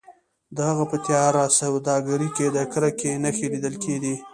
د هغه په تیاره سترګو کې د کرکې نښې لیدل کیدې